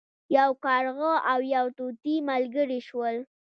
یو کارغه او یو طوطي ملګري شول.